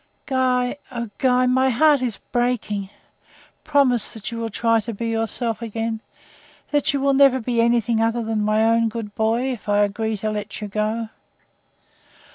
"Guy oh, Guy, my heart is breaking! Promise that you will try to be yourself again that you will never be anything other than my own good boy, if I agree to let you go?"